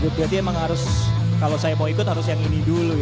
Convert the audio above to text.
berarti emang harus kalau saya mau ikut harus yang ini dulu ya